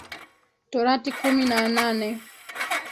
torati kumi na nane